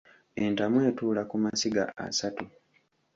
Entamu etuula ku masiga asatu.